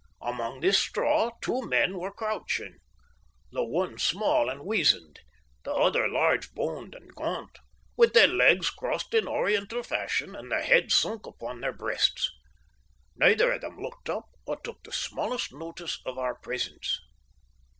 Among this straw two men were crouching, the one small and wizened, the other large boned and gaunt, with their legs crossed in Oriental fashion and their heads sunk upon their breasts. Neither of them looked up, or took the smallest notice of our presence.